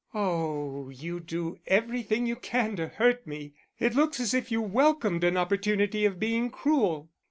"Oh, you do everything you can to hurt me. It looks as if you welcomed an opportunity of being cruel."